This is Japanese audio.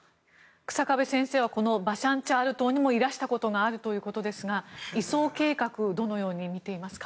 日下部先生はバシャンチャール島にもいらしたことがあるということですが移送計画どのように見ていますか。